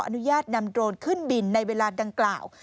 อนุญาตนำโดรนขึ้นบินในเวลาดังกล่าว